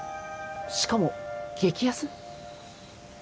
しかも激安？